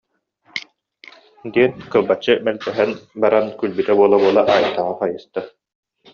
диэн кылбаччы мэлдьэһэн баран, күлбүтэ буола-буола Айтаҕа хайыста